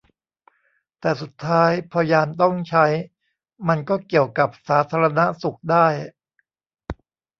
แต่สุดท้ายพอยามต้องใช้ มันก็เกี่ยวกับสาธาณสุขได้